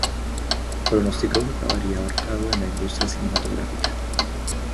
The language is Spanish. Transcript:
pronosticó que acabaría ahogando a la industria cinematográfica